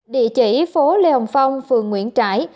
địa chỉ phố lê hồng phong phường nguyễn trãi